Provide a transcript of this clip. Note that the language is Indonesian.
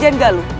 jadi baik saja